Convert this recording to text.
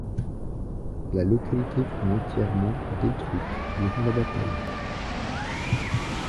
La localité fut entièrement détruite durant la bataille.